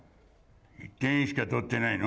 １点しか取ってないの？